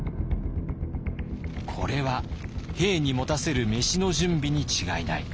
これは兵に持たせる飯の準備に違いない。